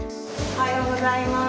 おはようございます。